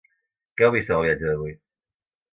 Què heu vist en el viatge d’avui?